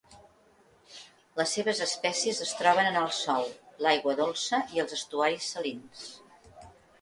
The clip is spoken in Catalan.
Les seves espècies es troben en el sòl, l'aigua dolça i els estuaris salins.